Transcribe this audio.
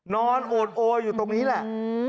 โอดโออยู่ตรงนี้แหละ